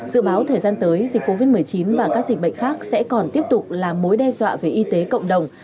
dự báo thời gian tới dịch covid một mươi chín và các dịch bệnh khác sẽ còn tiếp tục là mối đe dọa về y tế cộng đồng